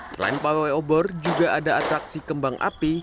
selain pawai obor juga ada atraksi kembang api